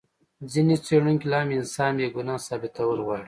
ځینې څېړونکي لا هم انسان بې ګناه ثابتول غواړي.